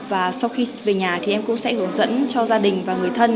và sau khi về nhà thì em cũng sẽ hướng dẫn cho gia đình và người thân